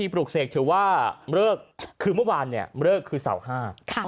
กุศเนคถือว่าเมื่อวานเริกคือเสาร์๕